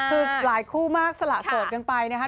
คือหลายคู่มากสละโสดกันไปนะคะ